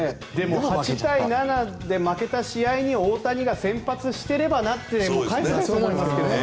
８対７で負けた試合に大谷が先発してればなって思いますけどね。